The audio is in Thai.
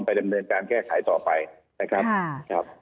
ดำเนินการแก้ไขต่อไปนะครับ